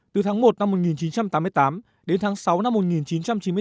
từ tháng một năm một nghìn chín trăm tám mươi tám đến tháng sáu năm một nghìn chín trăm chín mươi bốn